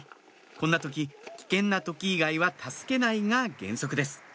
こんな時危険な時以外は助けないが原則です